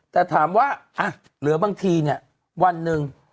แต่ถามว่าเหลือบางทีเนี่ยวันหนึ่ง